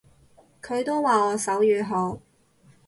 佢都話我手語好